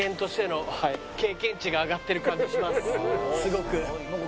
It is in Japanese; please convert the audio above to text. すごく。